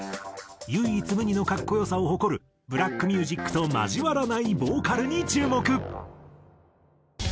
唯一無二の格好良さを誇るブラックミュージックと交わらないボーカルに注目。